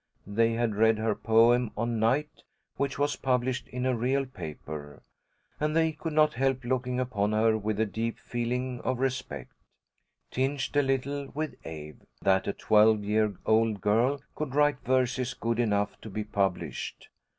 They had read her poem on "Night," which was published in a real paper, and they could not help looking upon her with a deep feeling of respect, tinged a little with awe, that a twelve year old girl could write verses good enough to be published.